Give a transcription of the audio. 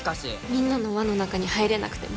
みんなの輪の中に入れなくても平気なふり。